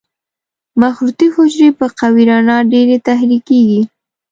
مخروطي حجرې په قوي رڼا ډېرې تحریکېږي.